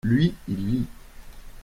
lui, il lit.